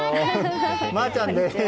マーちゃんです。